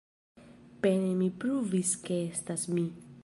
Pene mi pruvis ke estas mi.